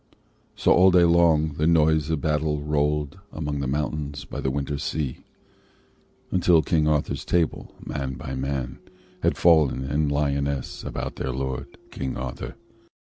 So all day long the noise of battle rolled Among the mountains by the winter sea; Until King Arthur's Table, man by man, Had fallen in Lyonnesse about their lord, King Arthur.